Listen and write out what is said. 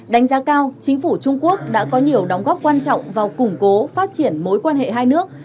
đánh giá cao chính phủ trung quốc đã có nhiều đóng góp quan trọng vào củng cố phát triển mối quan hệ hai nước